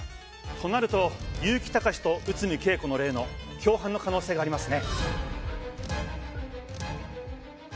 となると結城たかしと内海桂子の霊の共犯の可能性がありますね。